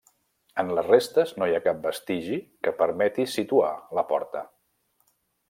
En les restes no hi ha cap vestigi que permeti situar la porta.